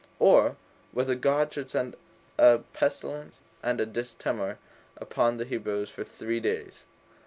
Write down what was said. or, whether God should send a pestilence and a distemper upon the Hebrews for three days?